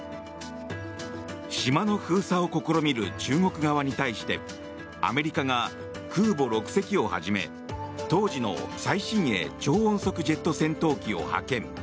島の封鎖を試みる中国側に対してアメリカが空母６隻をはじめ当時の最新鋭超音速ジェット戦闘機を派遣。